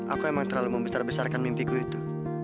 aku emang terlalu membesarkan mimpiku itu